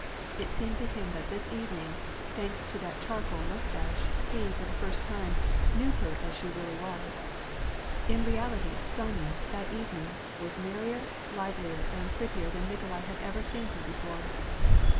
It seemed to him that this evening, thanks to that charcoal mustache, he, for the first time, knew her as she really was. In reality, Sonya, that evening, was merrier, livelier, and pret tier than Nikolai had ever seen her before.